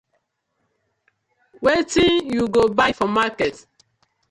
Wetin yu go bai for market.